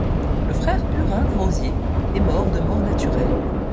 Le frère Burin des Roziers est mort de mort naturelle.